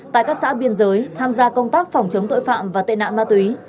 tại các xã biên giới tham gia công tác phòng chống tội phạm và tệ nạn ma túy